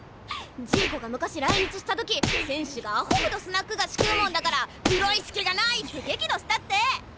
ジーコが昔来日した時選手がアホほどスナック菓子食うもんだからプロ意識がないって激怒したって！